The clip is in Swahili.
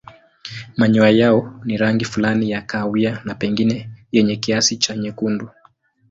Manyoya yao ni rangi fulani ya kahawia na pengine yenye kiasi cha nyekundu.